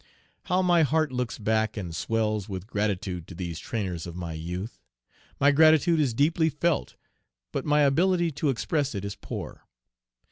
How my heart looks back and swells with gratitude to these trainers of my youth! My gratitude is deeply felt, but my ability to express it is poor.